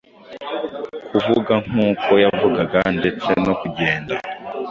kuvuga nkuko yavugaga ndetse no kujyenda